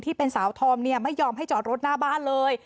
ที่เป็นสาวธอมไม่ยอมให้จอดรถหน้าบ้านเลย